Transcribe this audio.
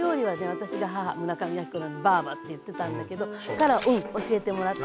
私が母村上昭子ばぁばって言ってたんだけどから教えてもらった。